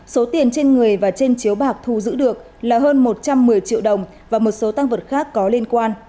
số tiền trên người và trên chiếu bạc thu giữ được là hơn một trăm một mươi triệu đồng và một số tăng vật khác có liên quan